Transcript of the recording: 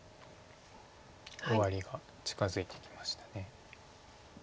終わりが近づいてきました。